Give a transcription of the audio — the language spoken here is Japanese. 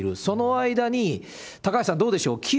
その間に、高橋さん、どうでしょう？